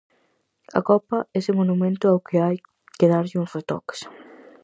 A copa, ese monumento ao que hai que darlle uns retoques...